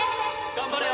頑張れよ！